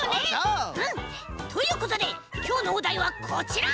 うん。ということできょうのおだいはこちら！